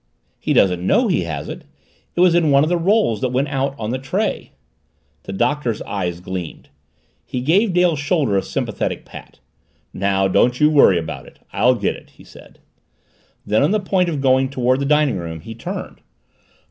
"He doesn't know he has it. It was in one of the rolls that went out on the tray." The Doctor's eyes gleamed. He gave Dale's shoulder a sympathetic pat. "Now don't you worry about it I'll get it," he said. Then, on the point of going toward the dining room, he turned.